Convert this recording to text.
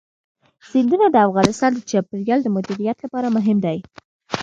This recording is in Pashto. سیندونه د افغانستان د چاپیریال د مدیریت لپاره مهم دي.